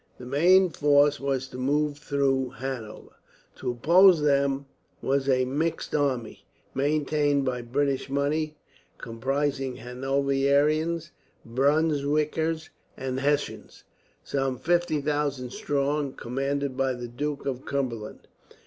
The main force was to move through Hanover. To oppose them was a mixed army, maintained by British money, comprising Hanoverians, Brunswickers, and Hessians, some 50,000 strong, commanded by the Duke of Cumberland.